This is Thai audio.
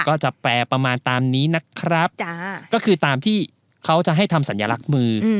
ก็จะแปลประมาณตามนี้นะครับก็คือตามที่เขาจะให้ทำสัญลักษณ์มือ